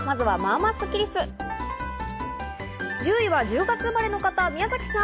１０位は１０月生まれの方、宮崎さん。